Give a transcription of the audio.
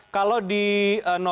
kalau di dua pendukungnya